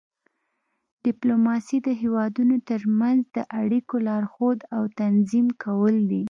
ډیپلوماسي د هیوادونو ترمنځ د اړیکو لارښود او تنظیم کول دي